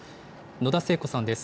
野田聖子さんです。